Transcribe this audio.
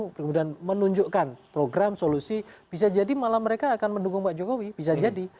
kemudian menunjukkan program solusi bisa jadi malah mereka akan mendukung pak jokowi bisa jadi